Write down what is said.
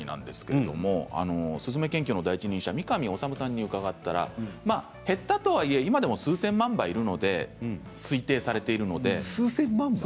スズメ研究の第一人者、三上修さんに聞いたら減ったとはいっても今でも数千万羽いると推定されているので。